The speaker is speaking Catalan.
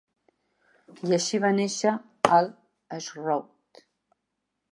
I així va néixer el "Shroud".